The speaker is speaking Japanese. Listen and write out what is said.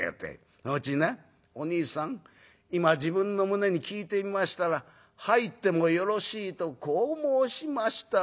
そのうちにな『おにいさん今自分の胸に聞いてみましたら入ってもよろしいとこう申しました』ってやんだよ！」。